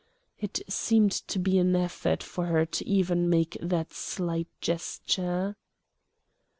It seemed to be an effort for her to even make that slight gesture.